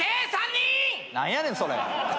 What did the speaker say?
何やねんそれ。